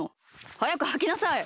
はやくはきなさい！